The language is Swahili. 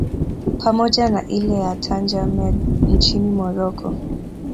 pamoja na ile ya Tanger Med nchini Morocco